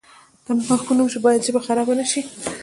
د نوښت په نوم باید ژبه خرابه نشي.